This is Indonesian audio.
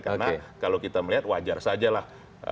karena kalau kita melihat wajar sajalah